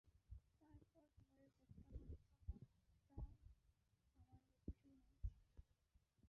তারপর তোমাদের প্রত্যাবর্তনতো আমার নিকটই রয়েছে।